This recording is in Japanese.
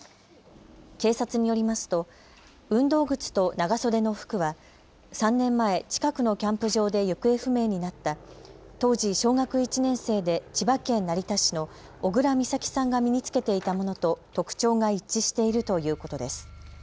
警察によりますと運動靴と長袖の服は３年前、近くのキャンプ場で行方不明になった当時、小学１年生で千葉県成田市の小倉美咲さんが身に着けていたものと特徴が一致しているということです。